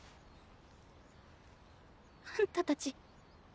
あんたたち。